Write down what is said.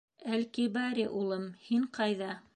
— Әл-Кибари улым, һин ҡайҙа?